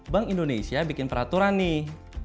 bank indonesia bikin peraturan nih